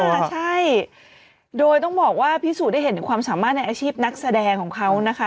ใช่โดยต้องบอกว่าพิสูจน์ได้เห็นถึงความสามารถในอาชีพนักแสดงของเขานะคะ